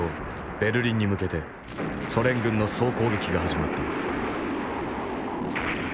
ベルリンに向けてソ連軍の総攻撃が始まった。